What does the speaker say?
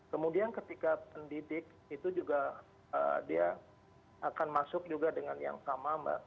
kemudian ketika pendidik itu juga dia akan masuk juga dengan yang sama mbak